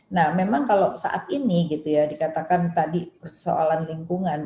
nah memang kalau saat ini gitu ya dikatakan tadi persoalan lingkungan